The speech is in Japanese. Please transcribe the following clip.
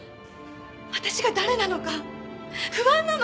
私が誰なのか不安なの！